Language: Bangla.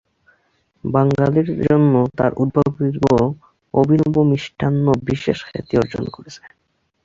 বাঙালির জন্য তার উদ্ভাবিত অভিনব মিষ্টান্ন বিশেষ খ্যাতি অর্জন করে।